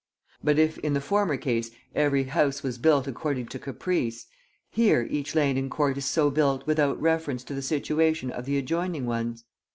But if, in the former case, every house was built according to caprice, here each lane and court is so built, without reference to the situation of the adjoining ones.